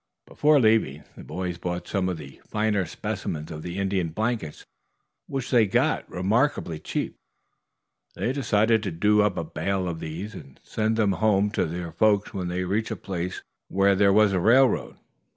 Before leaving, the boys bought some of the finer specimens of the Indian blankets, which they got remarkably cheap. They decided to do up a bale of these and send them home to their folks when they reached a place where there was a railroad.